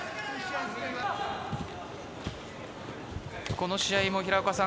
この試合も平岡さん